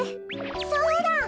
そうだ！